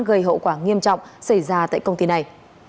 gây hậu quả nghiêm trọng xảy ra tại công ty này